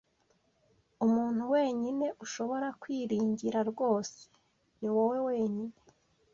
Umuntu wenyine ushobora kwiringira rwose niwowe wenyine.